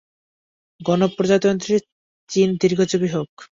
গণপ্রজাতন্ত্রী চীন দীর্ঘজীবী হোক।